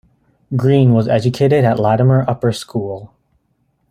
Green was educated at Latymer Upper School.